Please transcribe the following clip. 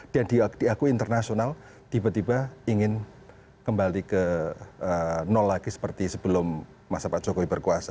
dan diaku internasional tiba tiba ingin kembali ke nol lagi seperti sebelum masa pak jokowi berkuasa